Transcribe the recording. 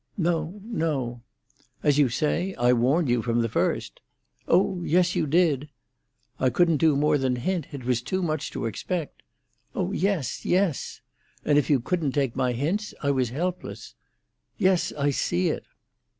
"No, no." "As you say, I warned you from the first." "Oh yes; you did." "I couldn't do more than hint; it was too much to expect——" "Oh, yes, yes." "And if you couldn't take my hints, I was helpless." "Yes; I see it."